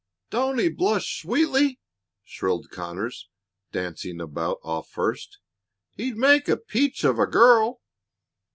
"Don't he blush sweetly?" shrilled Conners, dancing about off first. "He'd make a peach of a girl!"